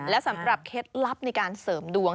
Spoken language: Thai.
และสำหรับเคล็ดลับในการเสริมดวง